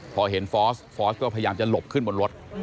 พอเห็นฟอร์สฟอร์สก็พยายามจะหลบขึ้นบนรถ